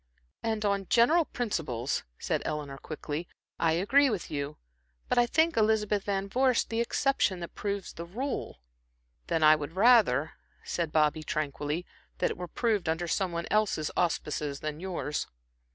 "And on general principles," said Eleanor, quickly "I agree with you, but I think Elizabeth Van Vorst the exception that proves the rule." "Then I would rather," said Bobby, tranquilly, "that it were proved under some one else's auspices than yours."